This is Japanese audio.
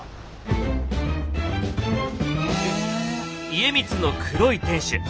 家光の黒い天守。